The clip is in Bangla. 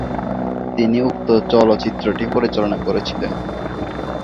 তিনি উক্ত চলচ্চিত্রটি পরিচালনা করছিলেন।